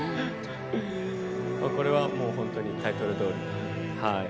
これは本当にタイトルどおりの。